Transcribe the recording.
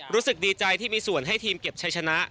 รู้สึกดีใจที่มีส่วนให้ทีมเก็บใช้ชนะ